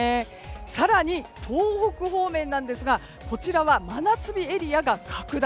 更に東北方面なんですがこちらは真夏日エリアが拡大